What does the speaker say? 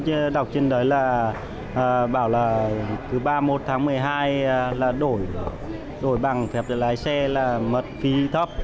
chứ đọc trên đấy là bảo là từ ba mươi một tháng một mươi hai là đổi bằng phép lái xe là mật phí thấp